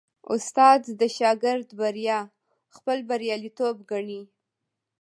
استاد د شاګرد بریا خپل بریالیتوب ګڼي.